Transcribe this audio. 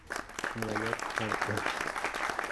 Nueva York: Harper.